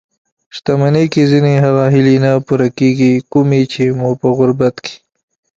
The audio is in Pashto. شتمني کې ځينې هغه هیلې نه پوره کېږي؛ کومې چې مو په غربت کې